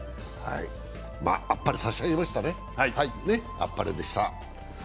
あっぱれを差し上げましたね、あっぱれでした。